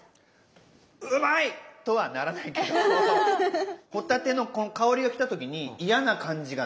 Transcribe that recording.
うまい！とはならないけど帆立てのこの香りがきた時に嫌な感じがなかった。